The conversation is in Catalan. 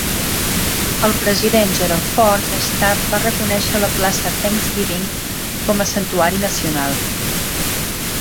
El president Gerald Ford més tard va reconèixer la plaça Thanks-Giving com a un santuari nacional.